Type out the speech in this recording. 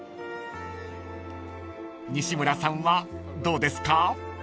［西村さんはどうですか？］